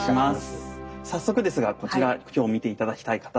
早速ですがこちら今日見て頂きたい刀です。